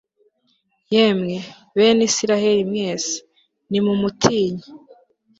yemwe, bene israheli mwese, nimumutinye